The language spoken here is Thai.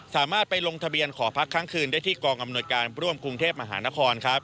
สามารถไปลงทะเบียนขอพักครั้งคืนได้ที่กองอำนวยการร่วมกรุงเทพมหานครครับ